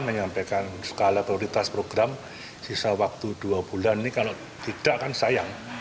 menyampaikan skala prioritas program sisa waktu dua bulan ini kalau tidak kan sayang